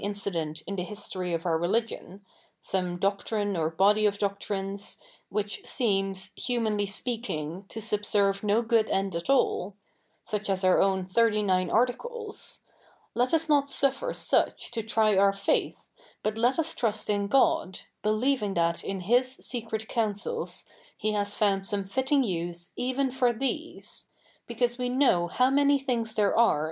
it incident in tJie history of our religion — some doctrine or body of doctrines^ which seems, humanly speaking^ to sub serve no good end at all — such as our own Thirty nine Articles — let us 7iot suffer such to try our faith, but let us trust in God, believing that in His secret cou?icils He has found some fitting use eve?i for these ; because we know how many thi?igs there are, i?